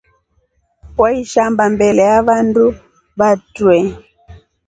Waishamba mbele ya vandu vatrue.